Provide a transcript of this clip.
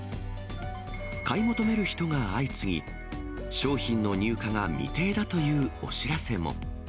買い求める人が相次ぎ、商品の入荷が未定だというお知らせも。